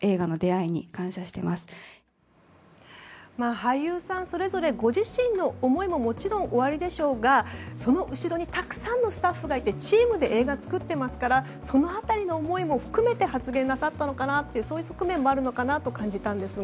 俳優さんそれぞれご自身の思いももちろん、おありでしょうがその後ろにたくさんのスタッフがいてチームで映画を作っていますからその辺りの思いも含めて発言なさったのかなという側面もあるのかなと感じたんですが。